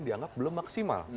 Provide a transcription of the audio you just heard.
dianggap belum maksimal